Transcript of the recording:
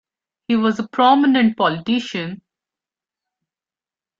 He was a prominent politician.